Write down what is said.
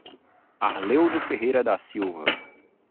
Arleudo Ferreira da Silva